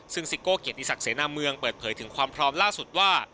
ซึ่งซิโก้เกียรติศักดิเสนาเมืองเปิดเผยถึงความพร้อมล่าสุดว่า